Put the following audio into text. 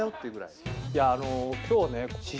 いやあの今日ねやった！